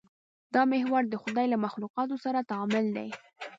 دا محور د خدای له مخلوقاتو سره تعامل دی.